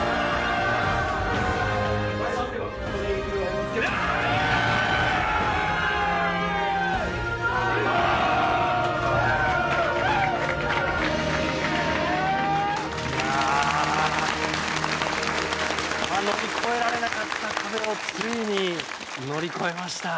ずっと乗り越えられなかった壁をついに乗り越えました。